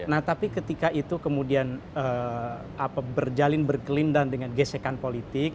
nah tapi ketika itu kemudian berjalin berkelindahan dengan gesekan politik